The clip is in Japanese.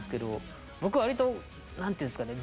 僕割と何ていうんですかね